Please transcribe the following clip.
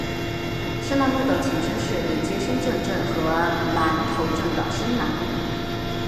深南路的前身是连接深圳镇和南头镇的深南公路。